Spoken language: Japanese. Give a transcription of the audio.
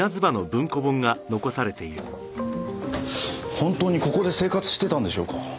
本当にここで生活してたんでしょうか。